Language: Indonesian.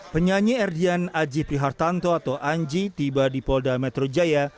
penyanyi erdian aji prihartanto atau anji tiba di polda metro jaya